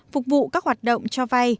phục vụ các hoạt động cho vai